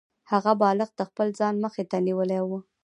هغه بالښت د خپل ځان مخې ته نیولی و